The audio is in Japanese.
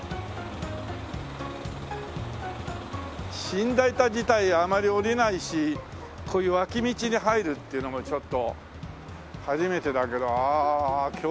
新代田自体あまり降りないしこういう脇道に入るっていうのもちょっと初めてだけどああ教会があるね。